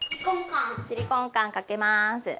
チリコンカンかけます。